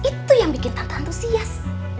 itu yang bikin tata antusias